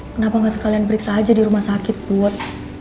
kenapa gak sekalian periksa aja di rumah sakit put